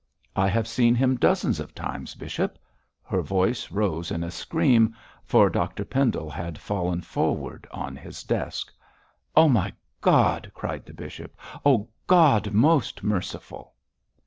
'I have seen him dozens of times. Bishop!' Her voice rose in a scream, for Dr Pendle had fallen forward on his desk. 'Oh, my God!' cried the bishop. 'Oh, God most merciful!'